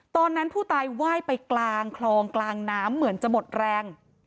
ตอนนั้นผู้ตายไหว้ไปกลางคลองกลางน้ำเหมือนจะหมดแรง